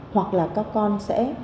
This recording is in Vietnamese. hoặc là các con sẽ